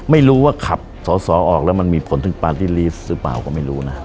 ไม่รู้ว่าขับสอสอออกแล้วมันมีผลถึงปาร์ตี้ลีสหรือเปล่าก็ไม่รู้นะครับ